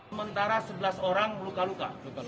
sementara sebelas orang luka luka